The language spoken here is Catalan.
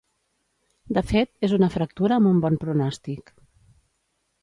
De fet és una fractura amb un bon pronòstic.